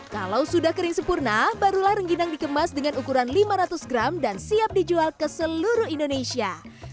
kalau sudah kering sempurna barulah rengginang dikemas dengan ukuran lima ratus gram dan siap dijual ke seluruh indonesia